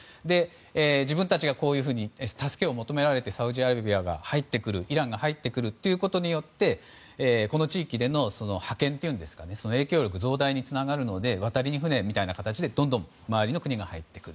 自分たちが、こういうふうに助けを求められてサウジアラビアが入ってくるイランが入ってくることによってこの地域での覇権というか影響力増大につながるので渡りに船みたいな形でどんどん周りの国が入ってくる。